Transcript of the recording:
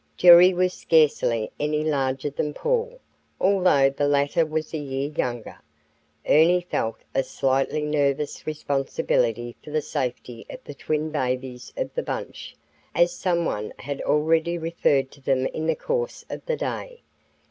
Jerry was scarcely any larger than Paul, although the latter was a year younger. Ernie felt a slightly nervous responsibility for the safety of the "twin babies of the bunch," as some one had already referred to them in the course of the day.